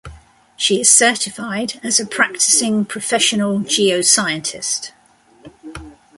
She is certified as a Practicing Professional Geoscientist.